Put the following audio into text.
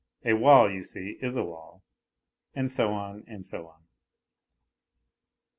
A wafl, you see, is a wafl ... and so on, and so on."